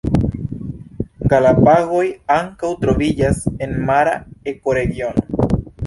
Galapagoj ankaŭ troviĝas en mara ekoregiono.